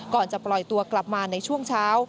ก่อนจะปล่อยตัวกลับมาในช่วงเช้า